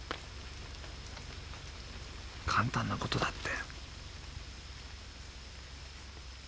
簡単なことだって。